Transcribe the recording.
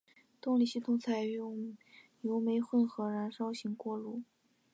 动力系统采用油煤混合燃烧型锅炉。